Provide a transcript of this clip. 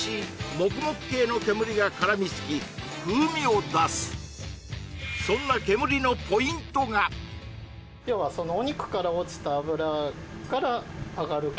モクモク系の煙がからみつき風味を出すそんな煙のポイントがそれがだと思います